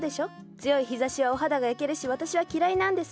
強い日ざしはお肌が焼けるし私は嫌いなんです。